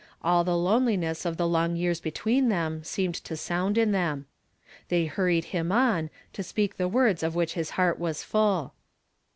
All the loneliness of the l;)ng yeai s between seemed to sound in them. They hurried him on, to speak the words of which his heart was full.